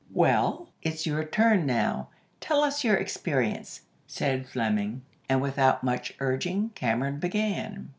"Well, it's your turn now; tell us your experience," said Fleming, and without much urging Cameron began.